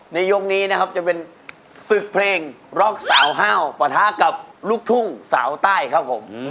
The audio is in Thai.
ในยกนี้จะเป็นซึกเพลงรอกสาวฮาววัทธากับลูกทุ่งสาวใต้ครับ